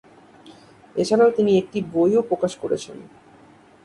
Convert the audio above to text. এছাড়া তিনি একটি বইও প্রকাশ করেছেন।